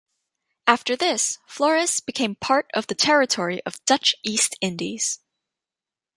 After this, Flores became part of the territory of Dutch East Indies.